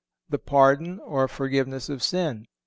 _ The pardon or forgiveness of sin.